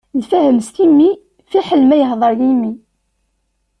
Lfahem s timmi, fiḥel ma yehdeṛ yimi.